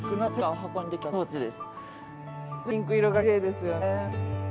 薄いピンク色がきれいですよね。